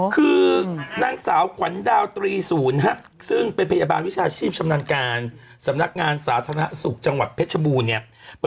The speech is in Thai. คือนางสาวขวัญดาวตรีศูนย์ซึ่งเป็นพยาบาลวิชาชีพชำนาญการสำนักงานสาธารณสุขจังหวัดเพชรบูรณ์เนี่ย